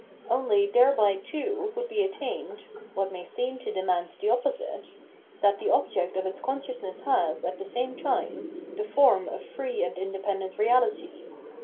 Only thereby, too, would be attained — what may seem to demand the opposite — that the object of its consciousness has, at the same time, the form of free and independent reahty.